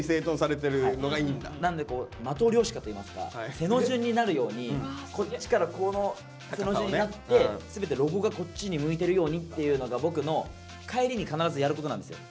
なんでマトリョーシカといいますか背の順になるようにこっちからこの背の順になって全てロゴがこっちに向いてるようにっていうのが僕の帰りに必ずやることなんですよ。